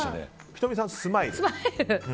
仁美さん、スマイル。